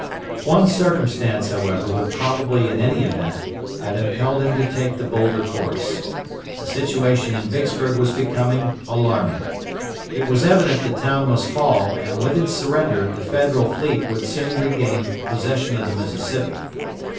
One circumstance, however, would probably in any event, have impelled him to take the bolder course. The situation in Vicksburg was becoming alarming. It was evident the town must fall and with its surrender the Federal fleet would soon regain possession of the Mississippi.